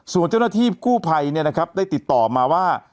ส่วนเจ้าหน้าที่กู้ไพรที่ได้ติดตอบมาว่า